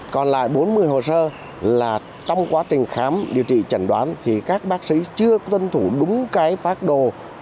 còn lại bốn mươi hồ sơ là trong quá trình khám điều trị trần đoán thì các bác sĩ chưa tuân thủ đúng cái phác đồ